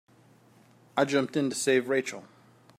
I jumped in to save Rachel.